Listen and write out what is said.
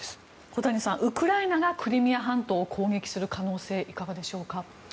小谷さん、ウクライナがクリミア半島を攻撃する可能性いかがでしょうか？